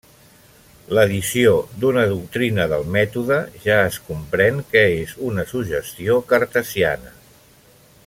L'addició d'una doctrina del mètode ja es comprèn que és una suggestió cartesiana.